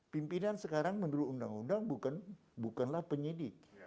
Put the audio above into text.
pimpinan sekarang menurut undang undang bukanlah penyidik